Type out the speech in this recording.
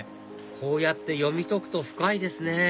こうやって読み解くと深いですね